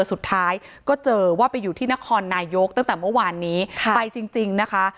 สุดท้ายก็เจอว่าไปอยู่ที่นครนายกตั้งแต่เมื่อวานนี้ไปจริงนะคะ